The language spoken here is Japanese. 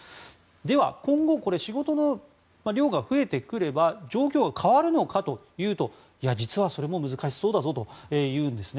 では今後、仕事の量が増えてくれば状況が変わるかというと実はそれも難しそうだぞというんですね。